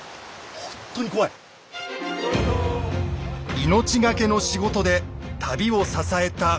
命がけの仕事で旅を支えた川越人足。